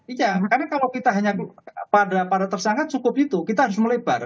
iya makanya kalau kita hanya pada para tersangka cukup itu kita harus melebar